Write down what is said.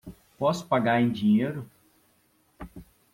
Posso pagar em dinheiro?